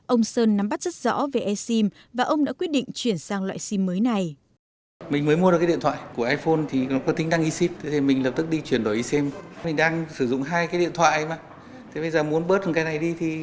ông sơn nắm bắt rất rõ về e sim và ông đã quyết định chuyển sang loại sim mới này